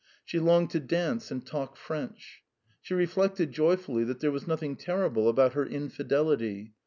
She longed to dance and talk French. She reflected joyfully that there was nothing terrible about her infidelity.